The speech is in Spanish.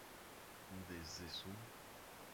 Desde su